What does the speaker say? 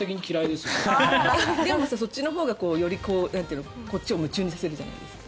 でも、そっちのほうがより、こっちを夢中にさせるじゃないですか。